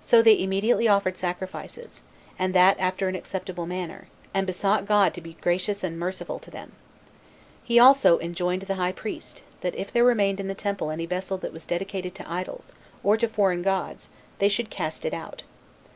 So they immediately offered sacrifices, and that after an acceptable manner, and besought God to be gracious and merciful to them. He also enjoined the high priest, that if there remained in the temple any vessel that was dedicated to idols, or to foreign gods, they should cast it out.